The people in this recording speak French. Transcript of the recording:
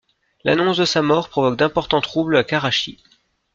L'annonce de sa mort provoque d'importants troubles à Karachi.